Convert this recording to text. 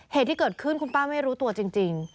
เหตุที่เกิดขึ้นคุณป้าไม่รู้ตัวจริง